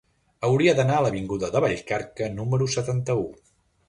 Hauria d'anar a l'avinguda de Vallcarca número setanta-u.